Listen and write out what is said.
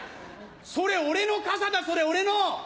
それ俺の傘だそれ俺の！